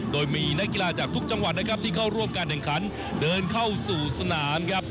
โดยมีนักกีฬาจากทุกจังหวัดนะครับที่เข้าร่วมการแข่งขันเดินเข้าสู่สนามครับ